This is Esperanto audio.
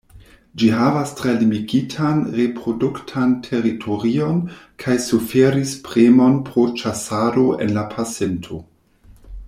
Ĝi havas tre limigitan reproduktan teritorion kaj suferis premon pro ĉasado en la pasinto.